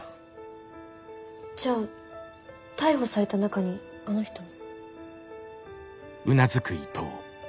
じゃあ逮捕された中にあの人も。